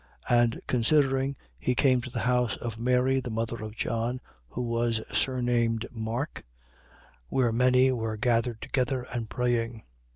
12:12. And considering, he came to the house of Mary the mother of John, who was surnamed Mark, where many were gathered together and praying.